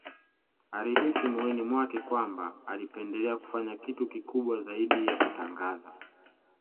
Alihisi moyoni mwake kwamba alipendelea kufanya kitu kikubwa zaidi ya kutangaza